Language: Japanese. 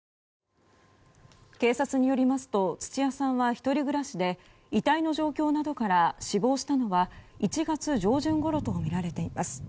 警察によりますと土屋さんは１人暮らしで遺体の状況などから死亡したのは１月上旬ごろとみられています。